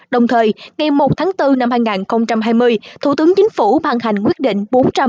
đồng thời ngày một tháng bốn năm hai nghìn hai mươi thủ tướng chính phủ ban hành quyết định bốn trăm một mươi